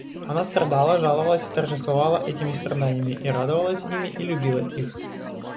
Она страдала, жаловалась и торжествовала этими страданиями, и радовалась ими, и любила их.